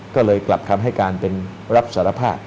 ก็เลยกลับคำให้การเป็นรับสารภาพ